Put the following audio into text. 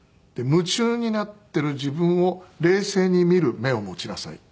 夢中になっている自分を冷静に見る目を持ちなさい。